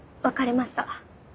分かりました。